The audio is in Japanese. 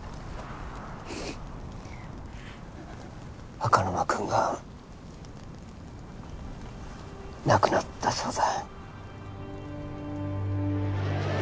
赤沼君が亡くなったそうだ。